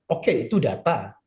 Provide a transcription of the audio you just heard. oke itu data